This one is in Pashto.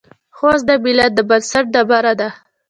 خوست د ملت د بنسټ ډبره ده.